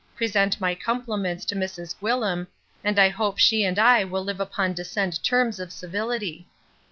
Present my cumpliments to Mrs Gwyllim, and I hope she and I will live upon dissent terms of civility.